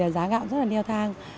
giá gạo rất là neo thang